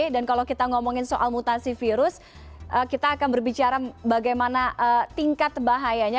dan kalau kita ngomongin soal mutasi virus kita akan berbicara bagaimana tingkat bahayanya